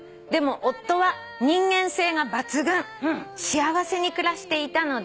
「でも夫は人間性が抜群幸せに暮らしていたのです」